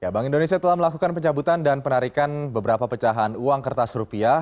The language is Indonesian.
bank indonesia telah melakukan pencabutan dan penarikan beberapa pecahan uang kertas rupiah